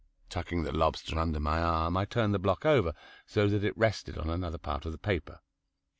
Tucking the lobster under my arm I turned the block over, so that it rested on another part of the paper.